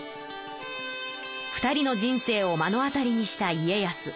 ２人の人生をまのあたりにした家康。